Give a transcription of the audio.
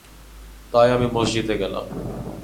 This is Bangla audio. তাই আমি মসজিদে গেলাম।